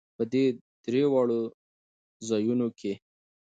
په دې درېواړو ځېلونو کې